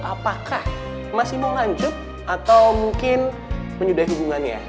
apakah masih mau nganjuk atau mungkin menyudahi hubungannya